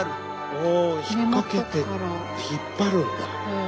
ああひっかけて引っ張るんだ。